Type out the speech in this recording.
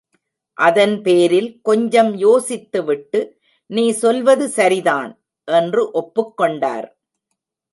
அதன் பேரில் கொஞ்சம் யோசித்துவிட்டு, நீ சொல்வது சரிதான்! என்று ஒப்புக்கொண்டார்.